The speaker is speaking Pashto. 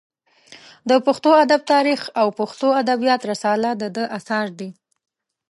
د پښتو ادب تاریخ او پښتو ادبیات رساله د ده اثار دي.